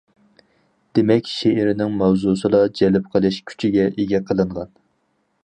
دېمەك، شېئىرنىڭ ماۋزۇسىلا جەلپ قىلىش كۈچىگە ئىگە قىلىنغان.